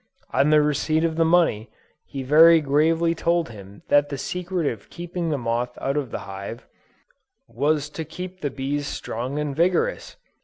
On the receipt of the money, he very gravely told him that the secret of keeping the moth out of the hive, was to keep the bees strong and vigorous!